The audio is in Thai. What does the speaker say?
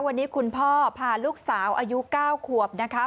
วันนี้คุณพ่อพาลูกสาวอายุ๙ขวบนะคะ